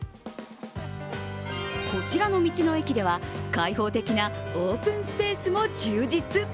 こちらの道の駅では開放的なオープンスペースも充実。